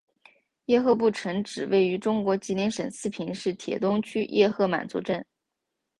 叶赫部城址位于中国吉林省四平市铁东区叶赫满族镇。